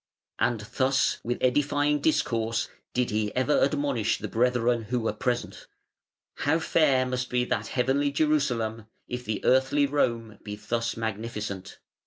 And thus with edifying discourse did he ever admonish the brethren who were present: 'How fair must be that heavenly Jerusalem, if the earthly Rome be thus magnificent!